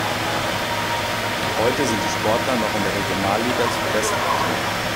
Heute sind die Sportler noch in der Regionalliga Südwest aktiv.